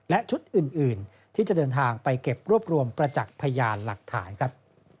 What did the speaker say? และชุดอื่นที่จะเดินทางไปเก็บรวบรวมประจักษ์พยานหลักฐานครับ